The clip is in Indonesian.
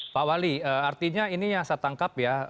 pak wali artinya ini yang saya tangkap ya